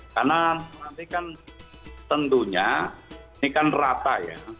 karena nanti kan tentunya ini kan rata ya